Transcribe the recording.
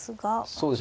そうですね。